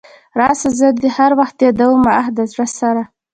راسه زه دي هر وخت يادومه اخ د زړه سره .